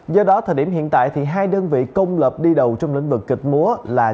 do đó thời điểm hiện tại thì hai đơn vị công lập đi đầu trong lĩnh vực kịch múa là